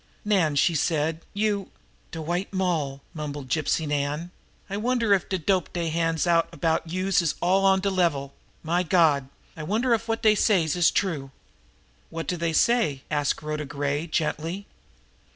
"Nan," she said, "you " "De White Moll!" mumbled Gypsy Nan. "I wonder if de dope dey hands out about youse is all on de level? My Gawd, I wonder if wot dey says is true?" "What do they say?" asked Rhoda Gray gently.